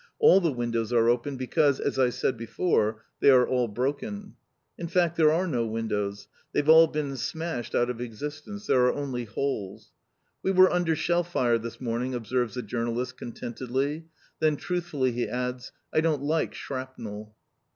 All the windows are open because, as I said before, they are all broken! In fact, there are no windows! They've all been smashed out of existence. There are only holes. "We were under shell fire this morning," observes the journalist contentedly. Then truthfully he adds, "I don't like shrapnel!"